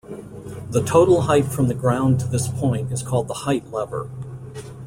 The total height from the ground to this point is called the height lever.